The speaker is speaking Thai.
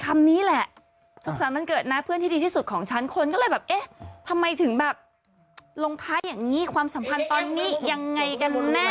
คำนี้แหละสุขสรรค์วันเกิดนะเพื่อนที่ดีที่สุดของฉันคนก็เลยแบบเอ๊ะทำไมถึงแบบลงท้ายอย่างนี้ความสัมพันธ์ตอนนี้ยังไงกันแน่